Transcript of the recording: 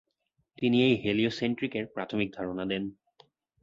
তিনি এই হেলিওসেন্ট্রিকের প্রাথমিক ধারণা দেন।